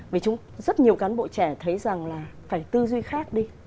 vì rất nhiều cán bộ trẻ thấy rằng là phải tư duy khác đi